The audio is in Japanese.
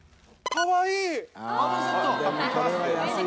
かわいい！